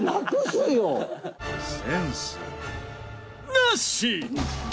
なし！